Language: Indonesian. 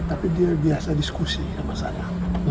tapi dia biasa diskusi sama saya